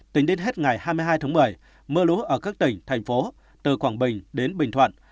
tính đến hết ngày hai mươi hai tháng một mươi mưa lũ ở các tỉnh thành phố từ quảng bình đến bình thuận